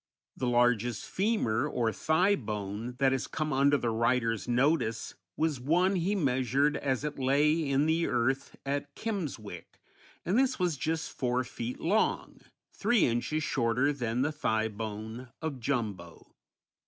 The largest femur, or thigh bone, that has come under the writer's notice was one he measured as it lay in the earth at Kimmswick, and this was just four feet long, three inches shorter than the thigh bone of Jumbo.